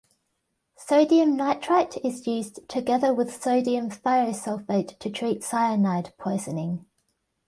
Sodium nitrite is used together with sodium thiosulfate to treat cyanide poisoning.